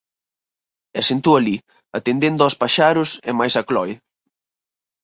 E sentou alí, atendendo ós paxaros e mais a Cloe.